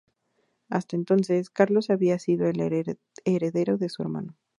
Hasta entonces, Carlos había sido el heredero de su hermano.